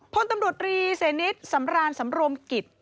พลตำรวจรีเสนิทสำรานสำรวมกิจ